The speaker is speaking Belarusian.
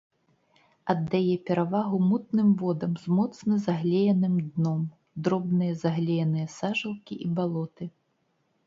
Аддае перавагу мутным водам з моцна заглееным дном, дробныя заглееныя сажалкі і балоты.